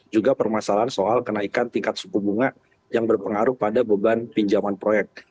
juga permasalahan soal kenaikan tingkat suku bunga yang berpengaruh pada beban pinjaman proyek